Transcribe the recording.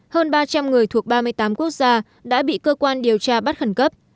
hơn ba trăm linh người thuộc ba mươi tám quốc gia đã bị cơ quan điều tra bắt khẩn cấp